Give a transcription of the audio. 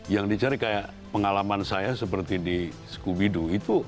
yang dicari kayak pengalaman saya seperti di skubido itu